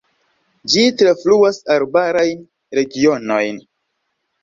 Ĝi trafluas arbarajn regionojn.